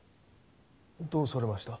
どうされました？